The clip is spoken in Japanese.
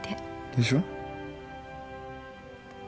でしょ？